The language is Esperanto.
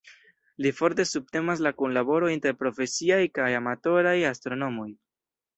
Li forte subtenas la kunlaboron inter profesiaj kaj amatoraj astronomoj.